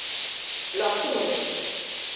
রক্ত মনে হচ্ছে।